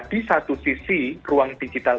di satu sisi ruang digital